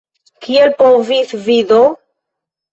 Kiel povis vi do?